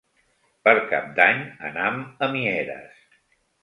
Per Cap d'Any anam a Mieres.